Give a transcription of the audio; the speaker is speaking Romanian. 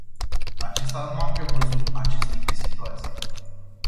Acesta nu a prevăzut acest tip de situație.